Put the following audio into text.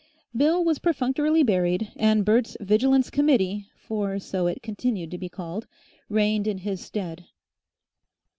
Bill was perfunctorily buried, and Bert's Vigilance Committee (for so it continued to be called) reigned in his stead.